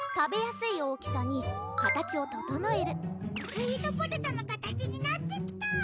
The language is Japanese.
スイートポテトのかたちになってきた。